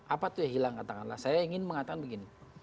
apa itu yang hilang katakanlah saya ingin mengatakan begini